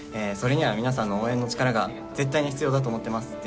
それには皆さんの応援の力が絶対に必要だと思っています。